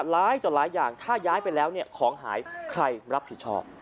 หลายต่อหลายอย่างถ้าย้ายไปแล้วเนี่ยของหายใครรับผิดชอบ